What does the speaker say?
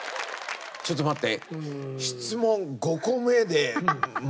ちょっと待って。